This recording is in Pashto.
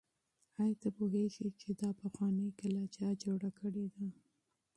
آیا ته پوهېږې چې دا پخوانۍ کلا چا جوړه کړې ده؟